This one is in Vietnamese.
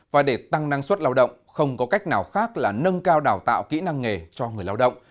và để tăng năng suất lao động không có cách nào khác là nâng cao đào tạo kỹ năng nghề cho người lao động